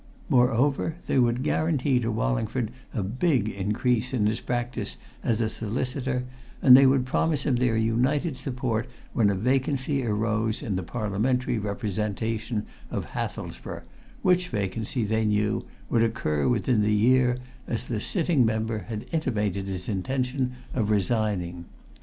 Moreover, they would guarantee to Wallingford a big increase in his practice as a solicitor, and they would promise him their united support when a vacancy arose in the Parliamentary representation of Hathelsborough, which vacancy, they knew, would occur within the year, as the sitting member had intimated his intention of resigning.